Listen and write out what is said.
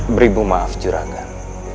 beribu maaf juragan